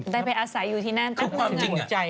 ได้ไปอาศัยอยู่ที่นั่นแตกกับชื่อจริงก็จ่าย